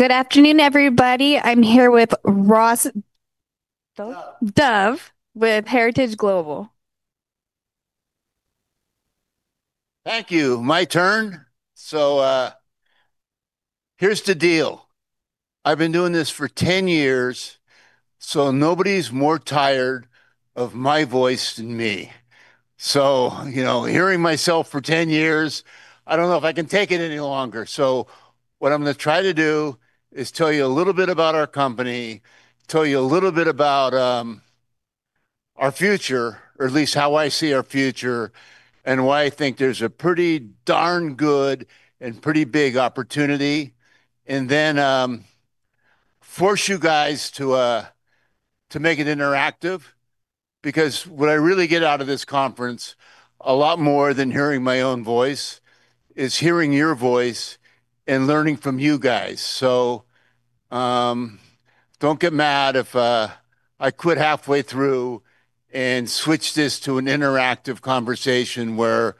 Good afternoon, everybody. I'm here with Ross Dove with Heritage Global. Thank you. My turn. Here's the deal. I've been doing this for 10 years, nobody's more tired of my voice than me. Hearing myself for 10 years, I don't know if I can take it any longer. What I'm going to try to do is tell you a little bit about our company, tell you a little bit about our future, or at least how I see our future, and why I think there's a pretty darn good and pretty big opportunity, and then force you guys to make it interactive. What I really get out of this conference, a lot more than hearing my own voice, is hearing your voice and learning from you guys. Don't get mad if I quit halfway through and switch this to an interactive conversation where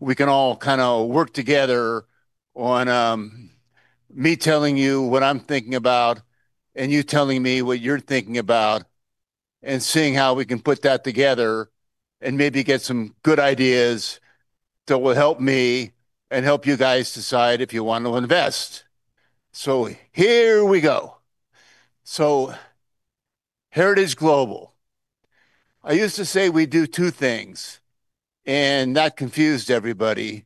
we can all work together on me telling you what I'm thinking about and you telling me what you're thinking about, and seeing how we can put that together and maybe get some good ideas that will help me and help you guys decide if you want to invest. Here we go. Heritage Global, I used to say we do two things, that confused everybody.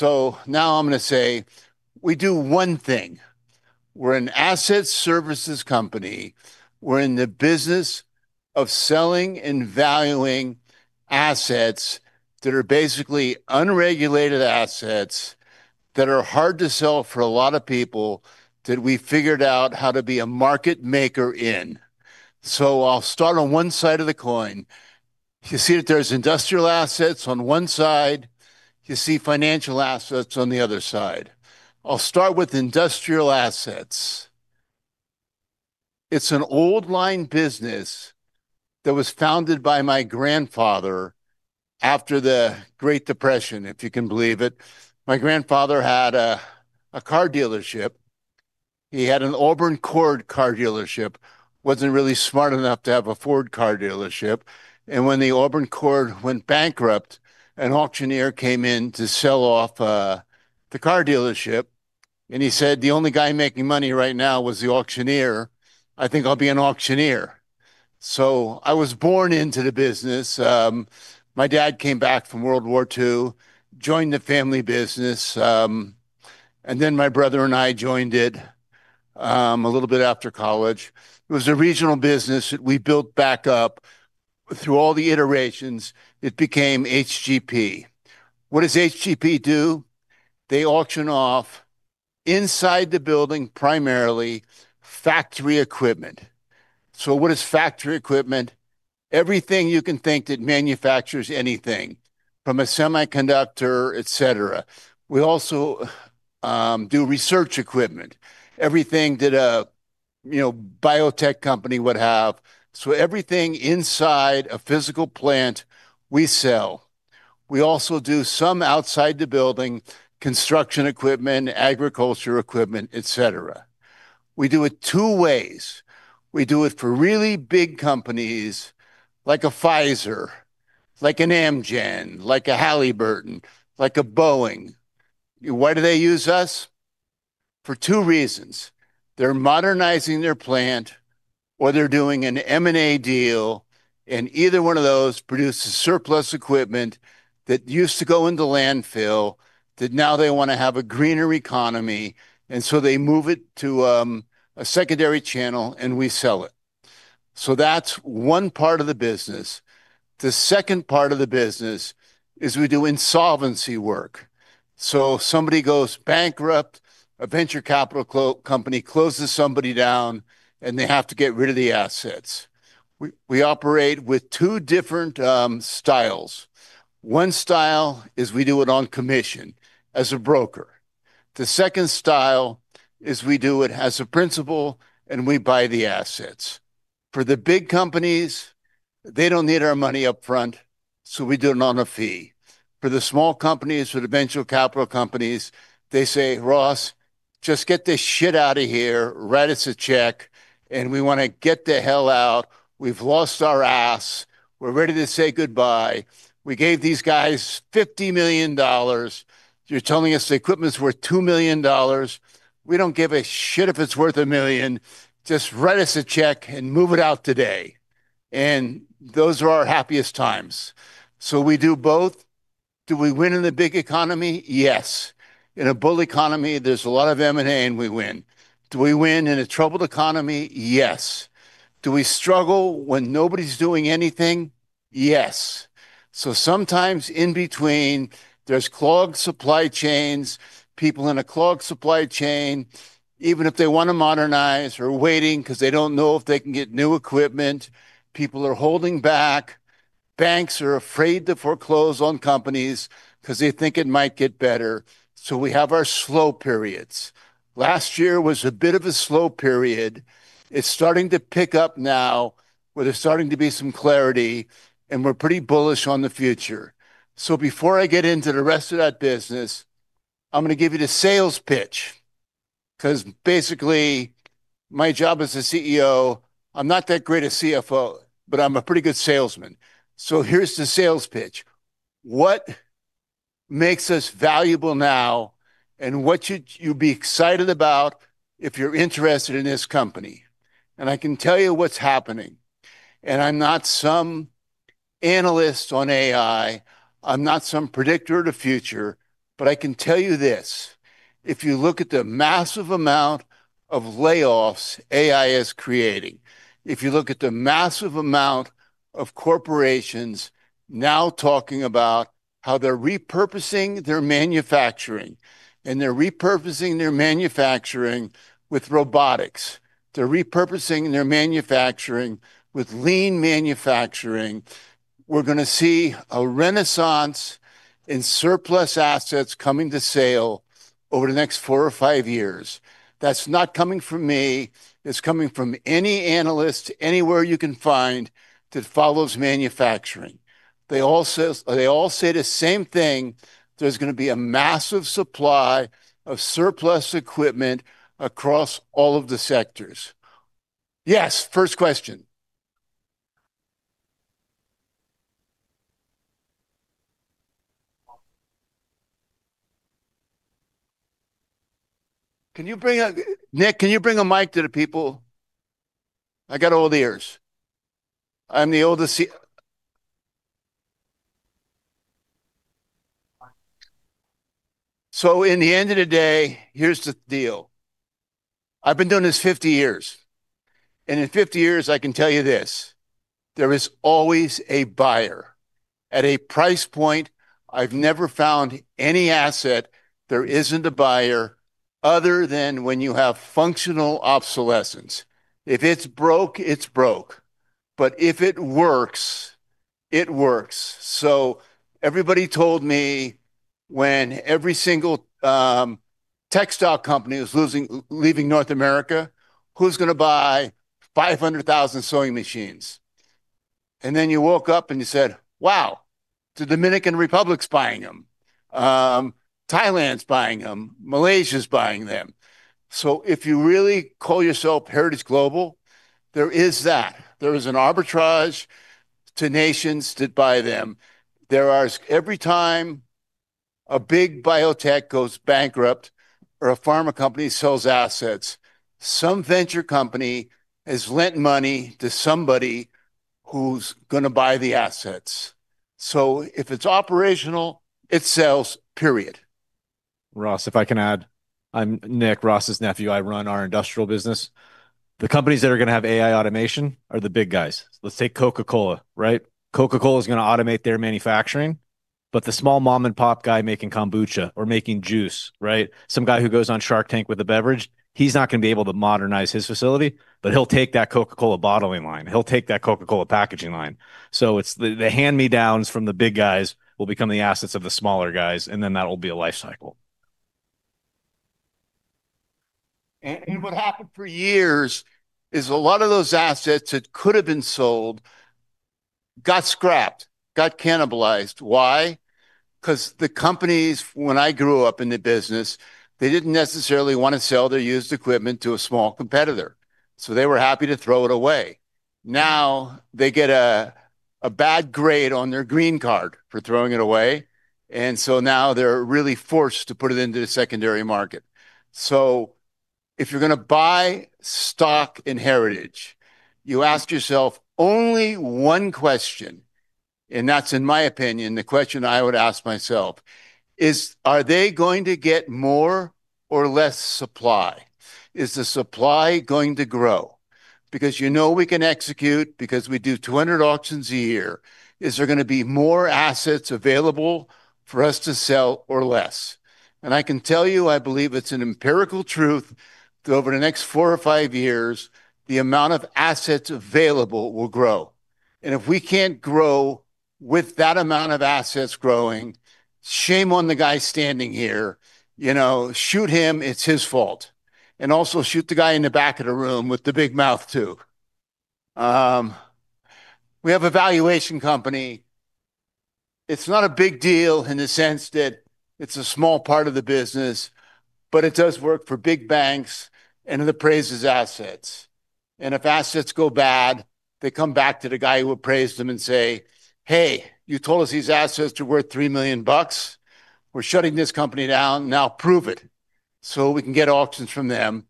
Now I'm going to say we do one thing. We're an asset services company. We're in the business of selling and valuing assets that are basically unregulated assets that are hard to sell for a lot of people that we figured out how to be a market maker in. I'll start on one side of the coin. You see that there's industrial assets on one side, you see financial assets on the other side. I'll start with industrial assets. It's an old line business that was founded by my grandfather after the Great Depression, if you can believe it. My grandfather had a car dealership. He had an Auburn Cord car dealership. Wasn't really smart enough to have a Ford car dealership. When the Auburn Cord went bankrupt, an auctioneer came in to sell off the car dealership, and he said the only guy making money right now was the auctioneer. I think I'll be an auctioneer. I was born into the business. My dad came back from World War II, joined the family business, then my brother and I joined it a little bit after college. It was a regional business that we built back up through all the iterations. It became HGP. What does HGP do? They auction off, inside the building primarily, factory equipment. What is factory equipment? Everything you can think that manufactures anything, from a semiconductor, et cetera. We also do research equipment, everything that a biotech company would have. Everything inside a physical plant, we sell. We also do some outside the building, construction equipment, agriculture equipment, et cetera. We do it two ways. We do it for really big companies like a Pfizer, like an Amgen, like a Halliburton, like a Boeing. Why do they use us? For two reasons. They're modernizing their plant, or they're doing an M&A deal, either one of those produces surplus equipment that used to go into landfill, that now they want to have a greener economy, so they move it to a secondary channel, we sell it. That's one part of the business. The second part of the business is we do insolvency work. Somebody goes bankrupt, a venture capital company closes somebody down, and they have to get rid of the assets. We operate with two different styles. One style is we do it on commission as a broker. The second style is we do it as a principal, and we buy the assets. For the big companies, they don't need our money upfront, so we do it on a fee. For the small companies or the venture capital companies, they say, Ross, just get this shit out of here, write us a check, and we want to get the hell out. We've lost our ass. We're ready to say goodbye. We gave these guys $50 million. You're telling us the equipment's worth $2 million. We don't give a shit if it's worth $1 million. Just write us a check and move it out today. Those are our happiest times. We do both. Do we win in a big economy? Yes. In a bull economy, there's a lot of M&A, and we win. Do we win in a troubled economy? Yes. Do we struggle when nobody's doing anything? Yes. Sometimes in between, there's clogged supply chains, people in a clogged supply chain, even if they want to modernize, are waiting because they don't know if they can get new equipment. People are holding back. Banks are afraid to foreclose on companies because they think it might get better. We have our slow periods. Last year was a bit of a slow period. It's starting to pick up now. Where there's starting to be some clarity, and we're pretty bullish on the future. Before I get into the rest of that business, I'm going to give you the sales pitch because basically, my job as a CEO, I'm not that great a CFO, but I'm a pretty good salesman. Here's the sales pitch. What makes us valuable now and what should you be excited about if you're interested in this company? I can tell you what's happening, and I'm not some analyst on AI, I'm not some predictor of the future, but I can tell you this. If you look at the massive amount of layoffs AI is creating, if you look at the massive amount of corporations now talking about how they're repurposing their manufacturing, and they're repurposing their manufacturing with robotics, they're repurposing their manufacturing with lean manufacturing. We're going to see a renaissance in surplus assets coming to sale over the next four or five years. That's not coming from me, it's coming from any analyst anywhere you can find that follows manufacturing. They all say the same thing, there's going to be a massive supply of surplus equipment across all of the sectors. Yes, first question. Nick, can you bring a mic to the people? I got old ears. I'm the oldest here. In the end of the day, here's the deal. I've been doing this 50 years, and in 50 years, I can tell you this, there is always a buyer. At a price point, I've never found any asset there isn't a buyer other than when you have functional obsolescence. If it's broke, it's broke. If it works, it works. Everybody told me when every single textile company was leaving North America, who's going to buy 500,000 sewing machines? You woke up and you said, Wow, the Dominican Republic's buying them. Thailand's buying them, Malaysia's buying them. If you really call yourself Heritage Global, there is that. There is an arbitrage to nations that buy them. Every time a big biotech goes bankrupt or a pharma company sells assets, some venture company has lent money to somebody who's going to buy the assets. If it's operational, it sells, period. Ross, if I can add, I'm Nick, Ross's nephew. I run our industrial business. The companies that are going to have AI automation are the big guys. Let's take Coca-Cola, right? Coca-Cola is going to automate their manufacturing, but the small mom-and-pop guy making kombucha or making juice, right? Some guy who goes on Shark Tank with a beverage, he's not going to be able to modernize his facility, but he'll take that Coca-Cola bottling line. He'll take that Coca-Cola packaging line. It's the hand-me-downs from the big guys will become the assets of the smaller guys, and then that will be a life cycle. What happened for years is a lot of those assets that could've been sold got scrapped, got cannibalized. Why? Because the companies, when I grew up in the business, they didn't necessarily want to sell their used equipment to a small competitor, so they were happy to throw it away. Now they get a bad grade on their green card for throwing it away, now they're really forced to put it into the secondary market. If you're going to buy stock in Heritage, you ask yourself only one question, and that's in my opinion, the question I would ask myself is, are they going to get more or less supply? Is the supply going to grow? Because you know we can execute because we do 200 auctions a year. Is there going to be more assets available for us to sell or less? I can tell you, I believe it's an empirical truth that over the next four or five years, the amount of assets available will grow. If we can't grow with that amount of assets growing, shame on the guy standing here. Shoot him, it's his fault, and also shoot the guy in the back of the room with the big mouth, too. We have a valuation company. It's not a big deal in the sense that it's a small part of the business, but it does work for big banks and it appraises assets. If assets go bad, they come back to the guy who appraised them and say, Hey, you told us these assets are worth $3 million. We're shutting this company down. Now prove it so we can get auctions from them.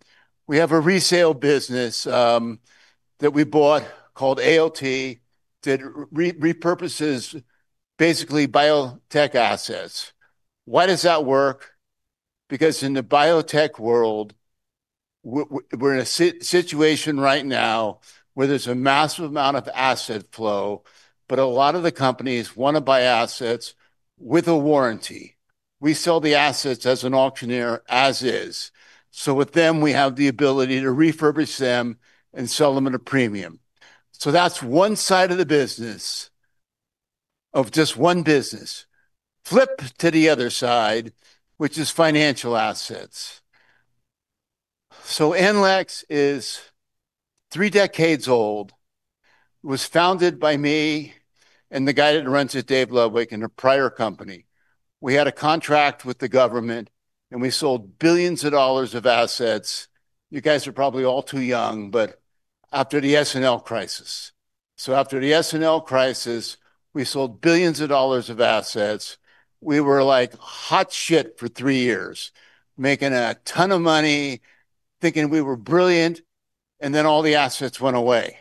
We have a resale business that we bought called ALT that repurposes basically biotech assets. Why does that work? Because in the biotech world, we're in a situation right now where there's a massive amount of asset flow, but a lot of the companies want to buy assets with a warranty. We sell the assets as an auctioneer as is. With them, we have the ability to refurbish them and sell them at a premium. That's one side of the business of just one business. Flip to the other side, which is financial assets. NLEX is three decades old. It was founded by me and the guy that runs it, Dave Ludwig, in a prior company. We had a contract with the government, and we sold billions of dollars assets. You guys are probably all too young, but after the S&L crisis. After the S&L crisis, we sold billions of dollars of assets. We were like hot shit for three years, making a ton of money, thinking we were brilliant. All the assets went away.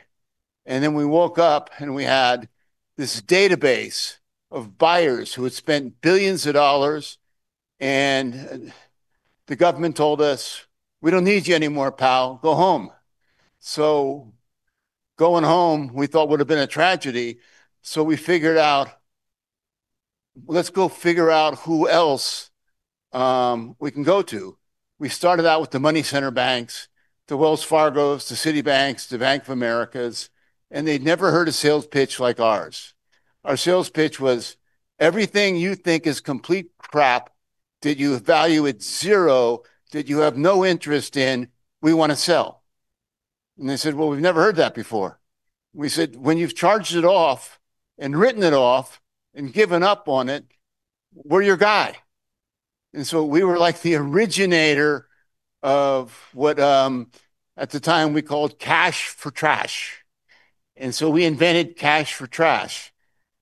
We woke up, and we had this database of buyers who had spent billions of dollars. The government told us, We don't need you anymore, pal. Go home. Going home we thought would've been a tragedy. We figured out, let's go figure out who else we can go to. We started out with the money center banks, the Wells Fargo, the Citibank, the Bank of America. They'd never heard a sales pitch like ours. Our sales pitch was, Everything you think is complete crap, that you value at zero, that you have no interest in, we want to sell. They said, Well, we've never heard that before. We said, When you've charged it off, and written it off, and given up on it, we're your guy. We were like the originator of what at the time we called cash for trash. We invented cash for trash.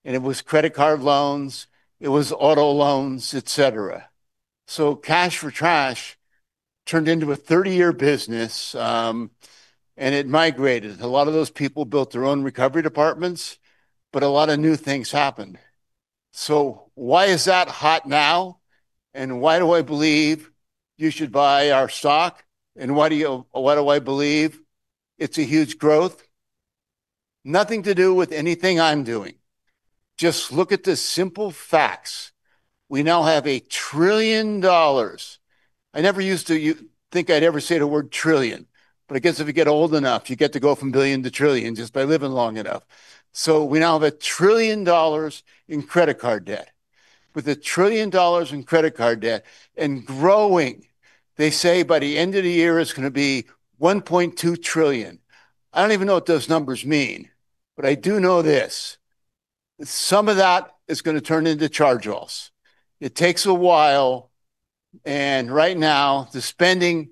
It was credit card loans, it was auto loans, et cetera. Cash for trash turned into a 30-year business. It migrated. A lot of those people built their own recovery departments. A lot of new things happened. Why is that hot now, and why do I believe you should buy our stock, and why do I believe it's a huge growth? Nothing to do with anything I'm doing. Just look at the simple facts. We now have a trillion dollars. I never used to think I'd ever say the word trillion, but I guess if you get old enough, you get to go from billion to trillion just by living long enough. We now have a trillion dollars in credit card debt. With a trillion dollars in credit card debt and growing, they say by the end of the year, it's going to be $1.2 trillion. I don't even know what those numbers mean. I do know this: some of that is going to turn into charge-offs. It takes a while. Right now the spending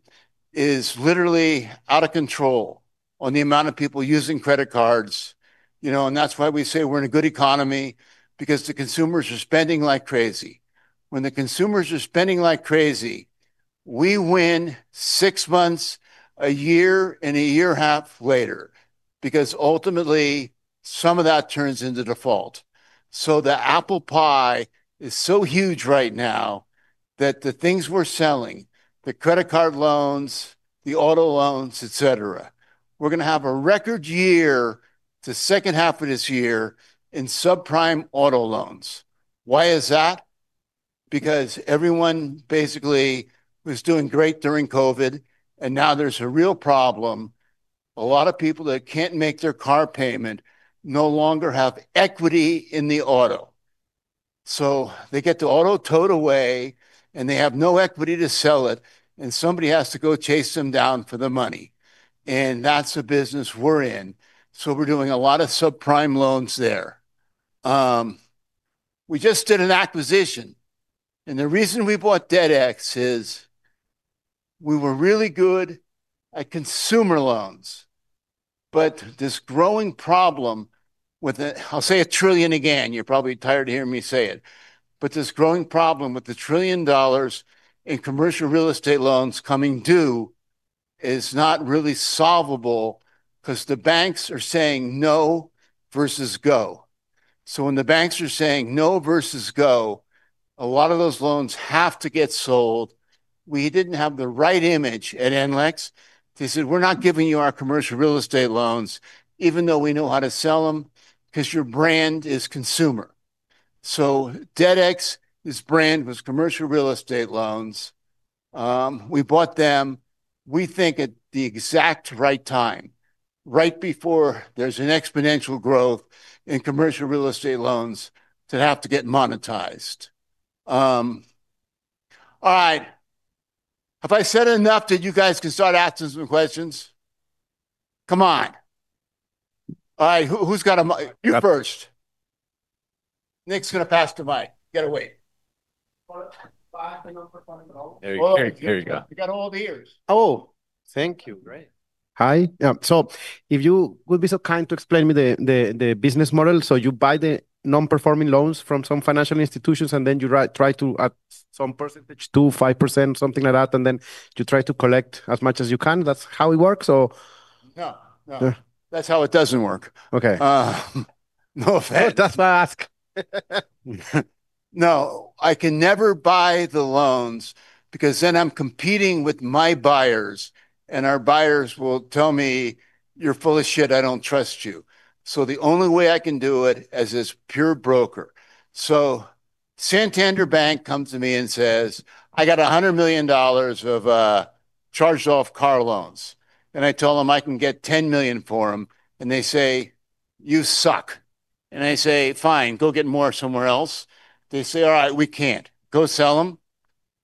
is literally out of control on the amount of people using credit cards. That's why we say we're in a good economy, because the consumers are spending like crazy. When the consumers are spending like crazy, we win six months, a year, and a year half later, because ultimately, some of that turns into default. The apple pie is so huge right now that the things we're selling, the credit card loans, the auto loans, et cetera, we're going to have a record year the second half of this year in subprime auto loans. Why is that? Because everyone basically was doing great during COVID, and now there's a real problem. A lot of people that can't make their car payment no longer have equity in the auto. They get the auto towed away, and they have no equity to sell it, and somebody has to go chase them down for the money, and that's the business we're in. We're doing a lot of subprime loans there. We just did an acquisition. The reason we bought DebtX is we were really good at consumer loans. This growing problem with the, I'll say $1 trillion again, you're probably tired of hearing me say it, but this growing problem with the $1 trillion in commercial real estate loans coming due is not really solvable because the banks are saying no versus go. When the banks are saying no versus go, a lot of those loans have to get sold. We didn't have the right image at NLEX. They said, We're not giving you our commercial real estate loans even though we know how to sell them because your brand is consumer. DebtX, this brand, was commercial real estate loans. We bought them, we think, at the exact right time, right before there's an exponential growth in commercial real estate loans to have to get monetized. All right. Have I said enough that you guys can start asking some questions? Come on. All right. You first. Nick's going to pass the mic. Get away. Buy the non-performing loans. There you go. You got all the ears. Oh, thank you. Great. Hi. If you would be so kind to explain me the business model. You buy the non-performing loans from some financial institutions, and then you try to add some percentage to 5%, something like that, and then you try to collect as much as you can. That's how it works, or? No. No. That's how it doesn't work. Okay. No offense. That's why I ask. No. I can never buy the loans because then I'm competing with my buyers, and our buyers will tell me, You're full of shit. I don't trust you. The only way I can do it is as pure broker. Santander Bank comes to me and says, I got $100 million Charged off car loans, I tell them I can get $10 million for them, They say, You suck. I say, Fine, go get more somewhere else. They say, All right, we can't. Go sell them.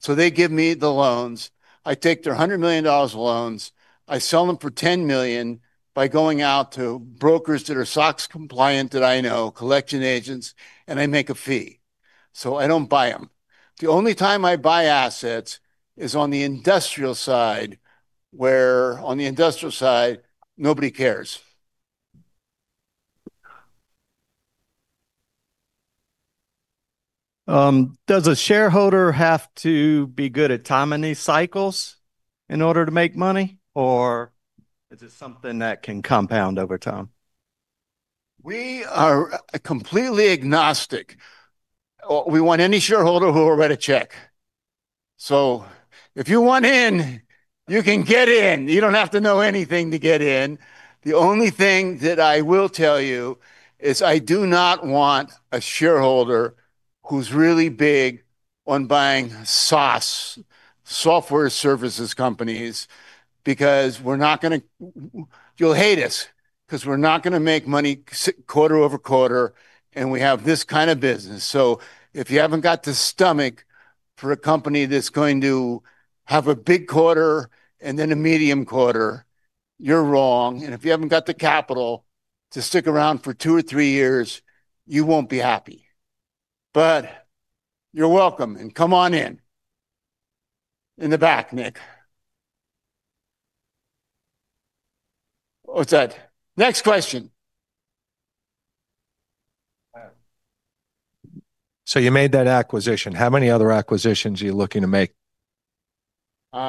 They give me the loans. I take their $100 million of loans, I sell them for $10 million by going out to brokers that are SOX compliant that I know, collection agents, and I make a fee. I don't buy them. The only time I buy assets is on the industrial side, where on the industrial side, nobody cares. Does a shareholder have to be good at timing these cycles in order to make money, or is it something that can compound over time? We are completely agnostic. We want any shareholder who will write a check. If you want in, you can get in. You don't have to know anything to get in. The only thing that I will tell you is I do not want a shareholder who's really big on buying SaaS, software services companies, because you'll hate us. Because we're not going to make money quarter over quarter, and we have this kind of business. If you haven't got the stomach for a company that's going to have a big quarter and then a medium quarter, you're wrong. If you haven't got the capital to stick around for two or three years, you won't be happy. You're welcome, and come on in. In the back, Nick. What's that? Next question. You made that acquisition. How many other acquisitions are you looking to make? We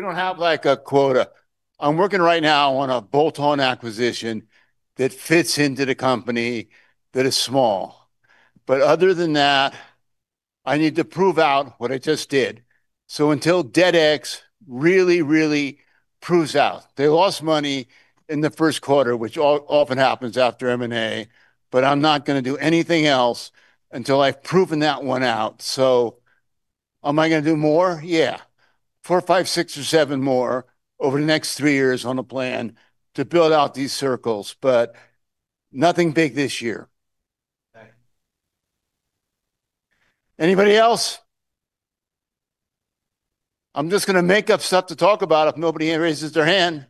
don't have a quota. I'm working right now on a bolt-on acquisition that fits into the company that is small. Other than that, I need to prove out what I just did. Until DebtX really, really proves out. They lost money in the first quarter, which often happens after M&A, but I'm not going to do anything else until I've proven that one out. Am I going to do more? Yeah. Four, five, six or seven more over the next three years on the plan to build out these circles, but nothing big this year. Okay. Anybody else? I'm just going to make up stuff to talk about if nobody raises their hand.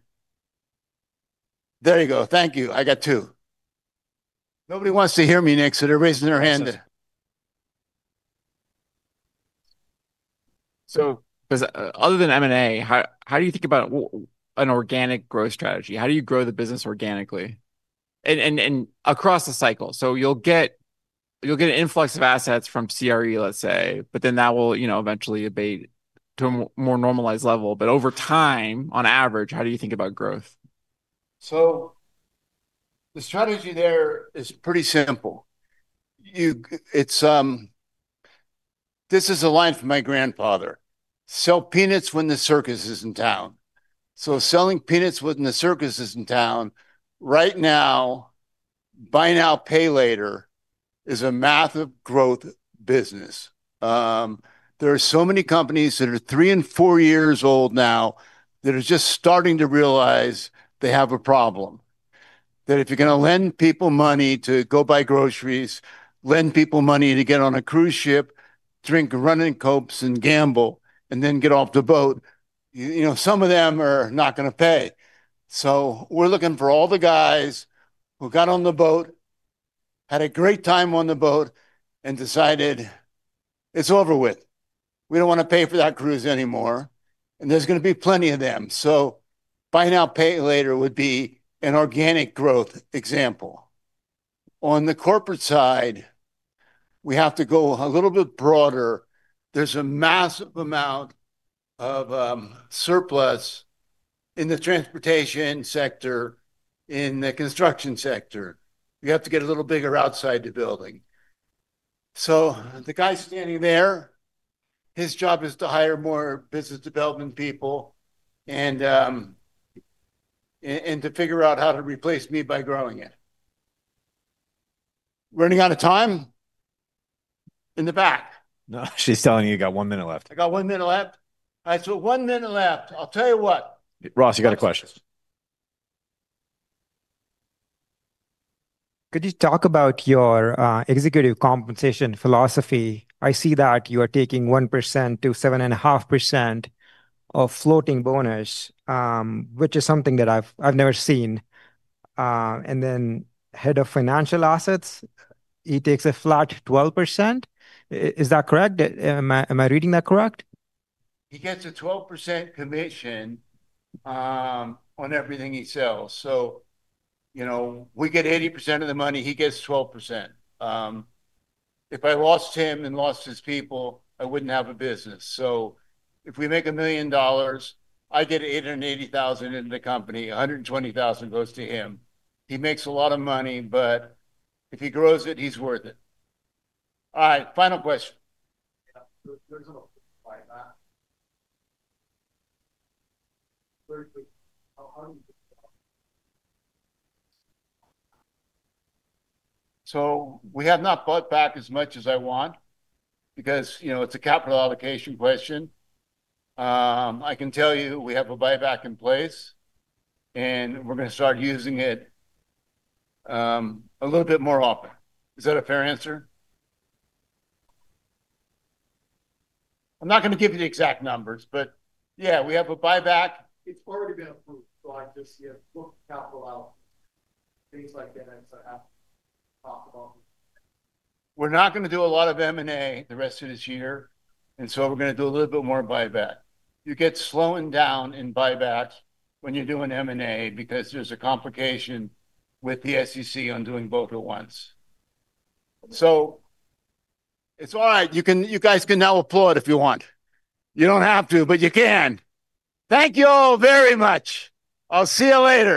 There you go. Thank you. I got two. Nobody wants to hear me, Nick, they're raising their hand. Because other than M&A, how do you think about an organic growth strategy? How do you grow the business organically? Across the cycle. You'll get an influx of assets from CRE, let's say, but then that will eventually abate to a more normalized level. Over time, on average, how do you think about growth? The strategy there is pretty simple. This is a line from my grandfather, Sell peanuts when the circus is in town. Selling peanuts when the circus is in town, right now, buy now, pay later is a massive growth business. There are so many companies that are three and four years old now that are just starting to realize they have a problem. That if you're going to lend people money to go buy groceries, lend people money to get on a cruise ship, drink rum and Cokes and gamble, and then get off the boat, some of them are not going to pay. We're looking for all the guys who got on the boat, had a great time on the buyback the boat and decided it's over with. We don't want to pay for that cruise anymore. There's going to be plenty of them. Buy now, pay later would be an organic growth example. On the corporate side, we have to go a little bit broader. There's a massive amount of surplus in the transportation sector, in the construction sector. We have to get a little bigger outside the building. The guy standing there, his job is to hire more business development people and to figure out how to replace me by growing it. Running out of time? In the back. No, she's telling you you got one minute left. I got one minute left? All right, one minute left. I'll tell you what. Ross, you got a question. Could you talk about your executive compensation philosophy? I see that you are taking 1%-7.5% of floating bonus, which is something that I've never seen. Head of Financial Assets, he takes a flat 12%. Is that correct? Am I reading that correct? He gets a 12% commission on everything he sells. We get 80% of the money, he gets 12%. If I lost him and lost his people, I wouldn't have a business. If we make $1 million, I get $880,000 into the company, $120,000 goes to him. He makes a lot of money, if he grows it, he's worth it. All right, final question. There's a lot to buy back. How do you- We have not bought back as much as I want because it's a capital allocation question. I can tell you, we have a buyback in place, we're going to start using it a little bit more often. Is that a fair answer? I'm not going to give you the exact numbers, yeah, we have a buyback. It's already been approved, just book capital out, things like that. We're not going to do a lot of M&A the rest of this year, we're going to do a little bit more buyback. You get slowing down in buyback when you're doing M&A because there's a complication with the SEC on doing both at once. It's all right. You guys can now applaud if you want. You don't have to, but you can. Thank you all very much. I'll see you later.